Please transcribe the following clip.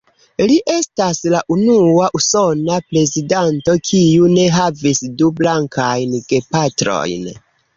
Li estas la unua usona prezidanto kiu ne havis du blankajn gepatrojn.